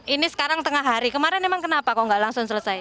ini sekarang tengah hari kemarin emang kenapa kok nggak langsung selesai